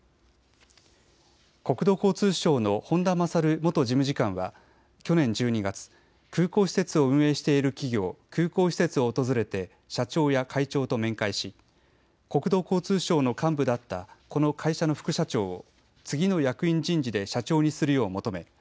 国土交通省の本田勝元事務次官は去年１２月、空港施設を運営している企業、空港施設を訪れて社長や会長と面会し国土交通省の幹部だったこの会社の副社長を次の役員人事で社長にするよう求め